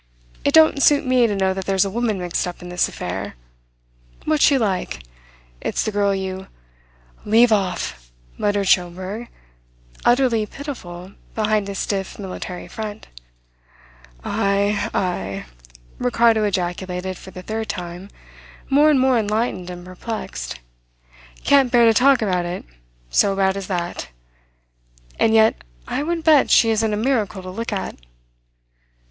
It don't suit me to know that there's a woman mixed up in this affair. What's she like? It's the girl you " "Leave off!" muttered Schomberg, utterly pitiful behind his stiff military front. "Ay, ay!" Ricardo ejaculated for the third time, more and more enlightened and perplexed. "Can't bear to talk about it so bad as that? And yet I would bet she isn't a miracle to look at."